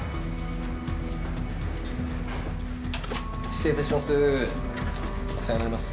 失礼いたします。